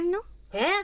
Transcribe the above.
えっ？